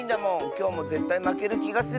きょうもぜったいまけるきがする。